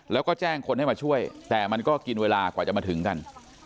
แล้วก็แจ้งคนให้มาช่วยแต่มันก็กินเวลากว่าจะมาถึงกัน